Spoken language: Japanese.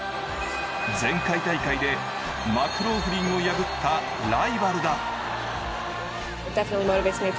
前回大会でマクローフリンを破ったライバルだ。